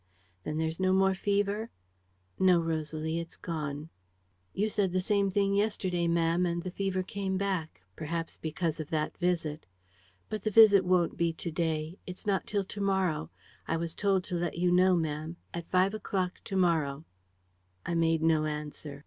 "'Then there's no more fever?' "'No, Rosalie, it's gone.' "'You said the same thing yesterday, ma'am, and the fever came back ... perhaps because of that visit. ... But the visit won't be to day ... it's not till to morrow. ... I was told to let you know, ma'am. ... At 5 o'clock to morrow. ...' "I made no answer.